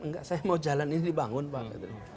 enggak saya mau jalan ini dibangun pak